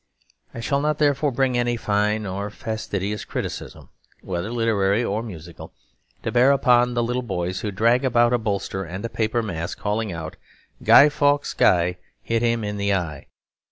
I shall not therefore bring any fine or fastidious criticism, whether literary or musical, to bear upon the little boys who drag about a bolster and a paper mask, calling out Guy Fawkes Guy Hit him in the eye.